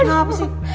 eh apa sih kenapa sih